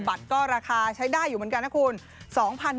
บัตรก็ราคาใช้ได้อยู่เหมือนกันนะคุณ